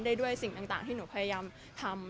ด้วยสิ่งต่างที่หนูพยายามทำ